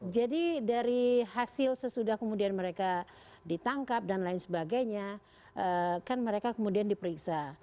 jadi dari hasil sesudah kemudian mereka ditangkap dan lain sebagainya kan mereka kemudian diperiksa